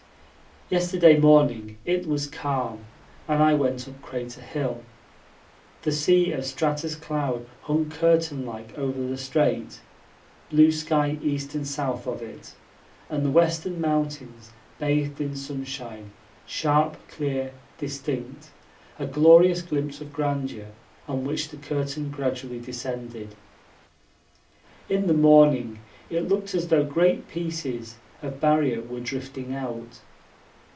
Yesterday morning it was calm and I went up Crater Hill. The sea of stratus cloud hung curtain like over the Strait blue sky east and south of it and the Western Mountains bathed in sunshine, sharp, clear, distinct, a glorious glimpse of grandeur on which the curtain gradually descended. In the morning it looked as though great pieces of Barrier were drifting out.